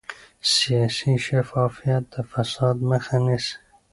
سیاسي شفافیت د فساد مخه نیسي